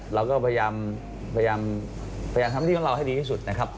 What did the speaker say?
เราก็พยายามทำหน้าที่ของเราให้ดีที่สุดนะครับ